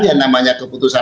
yang namanya keputusan